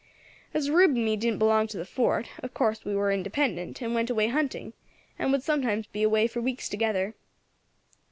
"As Rube and me didn't belong to the fort, of course we war independent, and went away hunting, and would sometimes be away for weeks together.